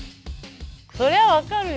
そりゃ分かるよ。